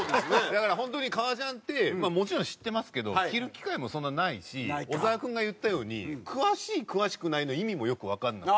だから本当に革ジャンってもちろん知ってますけど着る機会もそんなにないし小沢君が言ったように詳しい詳しくないの意味もよくわかんない。